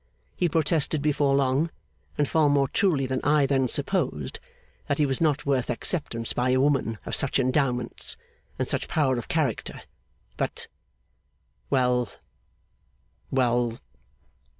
He protested before long, and far more truly than I then supposed, that he was not worth acceptance by a woman of such endowments, and such power of character; but well, well